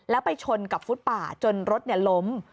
แล้วไปชนกับฟุตป่าจนรถล้ม